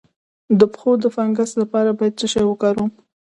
د پښو د فنګس لپاره باید څه شی وکاروم؟